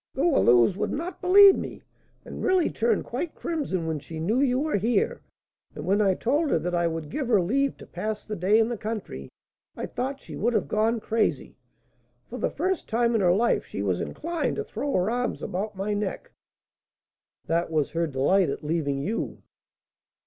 "Goualeuse would not believe me, and really turned quite crimson when she knew you were here; and when I told her that I would give her leave to pass the day in the country, I thought she would have gone crazy, for the first time in her life she was inclined to throw her arms about my neck." "That was her delight at leaving you."